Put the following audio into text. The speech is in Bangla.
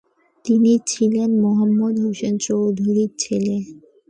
তিনি ছিলেন মোহাম্মদ হোসেন চৌধুরীর ছেলে।